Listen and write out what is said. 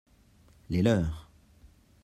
les leurs.